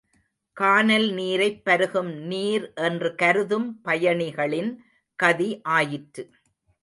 கானல் நீரைப் பருகும் நீர் என்று கருதும் பயணிகளின் கதி ஆயிற்று.